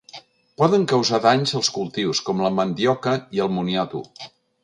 Poden causar danys als cultius, com la mandioca i el moniato.